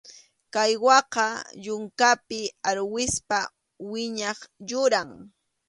Caiguaqa yunkapi arwispa wiñaq yuram.